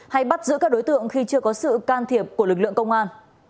hay bắt giữ các đối tượng khi chưa có sự can thiệp của lực lượng công an